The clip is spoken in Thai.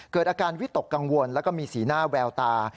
เกิดอาการวิตกกังวลแล้วก็มีสีหน้าแววตา